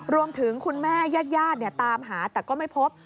คุณแม่ญาติตามหาแต่ก็ไม่พบ